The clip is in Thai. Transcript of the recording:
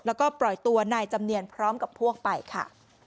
แล้วก็ปล่อยตัวนายจำเนียนพร้อมกับพวกไปค่ะ